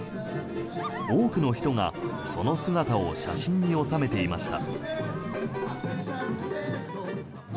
多くの人がその姿を写真に収めていました。